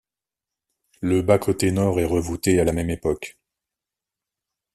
Le bas-côté nord est revoûté à la même époque.